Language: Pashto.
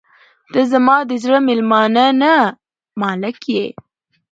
• ته زما د زړه میلمانه نه، مالک یې.